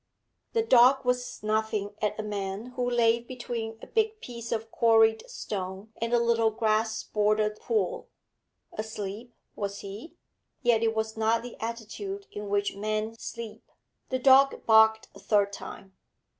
The dog was snuffing at a man who lay between a big piece of quarried stone and a little grass bordered pool. Asleep was he? Yet it was not the attitude in which men sleep. The dog barked a third time.